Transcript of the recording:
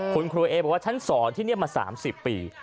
คุณครูเอบอกว่าฉันสอนที่นี่มา๓๐ปี